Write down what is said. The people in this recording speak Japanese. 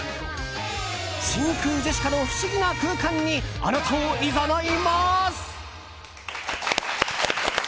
真空ジェシカの不思議な空間にあなたをいざないます。